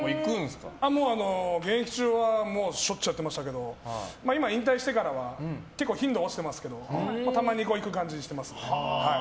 現役中はしょっちゅうやってましたけど今、引退してからは結構、頻度は落ちてますけどたまに行く感じにしてますね。